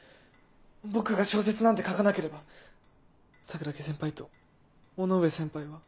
僕が小説なんて書かなければ桜樹先輩と尾ノ上先輩は。